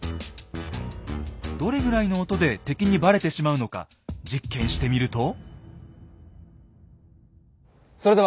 どれぐらいの音で敵にバレてしまうのか実験してみると。